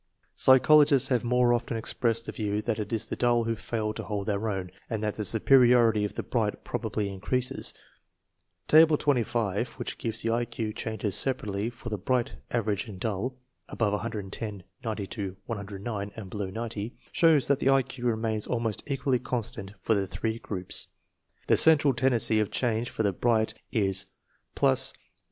Psychologists have more often expressed the view that it is the dull who fail to hold their own, and that the superiority of the bright probably increases. Table &5, which gives the I Q changes separately for the bright, average and dull (above 110, 90 109, and below 90), shows that the I Q remains almost equally constant for the three groups. The central tendency of change for the bright is + 0.